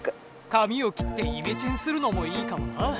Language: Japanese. かみを切ってイメチェンするのもいいかもな。